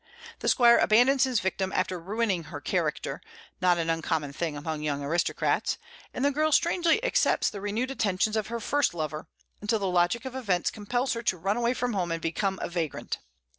The squire abandons his victim after ruining her character, not an uncommon thing among young aristocrats, and the girl strangely accepts the renewed attentions of her first lover, until the logic of events compels her to run away from home and become a vagrant.